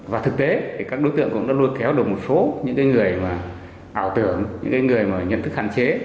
và thực tế các đối tượng cũng đã lôi kéo được một số những người mà ảo tưởng những người mà nhận thức hạn chế